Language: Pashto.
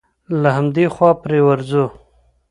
له همدې خوا پرې ورځو.